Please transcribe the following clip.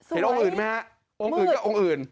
เห็นองค์อื่นมั้ยฮะองค์อื่นก็องค์อื่น